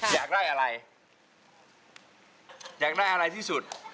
อยากได้อะไรอยากได้อะไรที่สุด